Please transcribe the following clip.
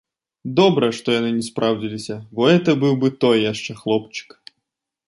Добра, што яны не спраўдзіліся, бо гэта быў бы той яшчэ хлопчык.